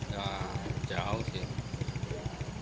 ya jauh sih